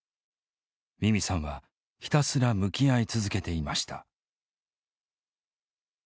ミミさんはひたすら向き合い続けていました。